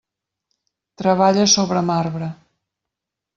Treballa sobre marbre.